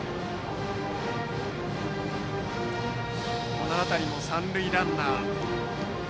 この辺りも三塁ランナー